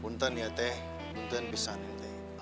bukan ya teh bukan bisa neng teh